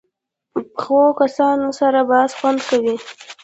پخو کسانو سره بحث خوند کوي